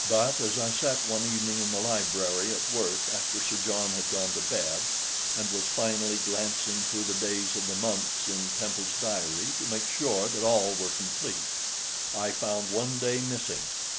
But as I sat one evening in the library at Worth after Sir John had gone to bed, and was finally glancing through the days of the months in Temple's diary to make sure that all were complete, I found one day was missing.